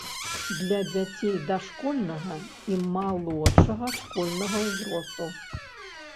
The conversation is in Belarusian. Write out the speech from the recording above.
Для дзяцей дашкольнага і малодшага школьнага ўзросту.